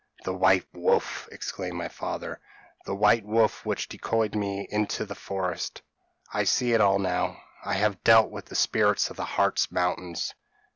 p> "'The white wolf!' exclaimed my father, 'the white wolf which decoyed me into the forest I see it all now I have dealt with the spirits of the Hartz Mountains.'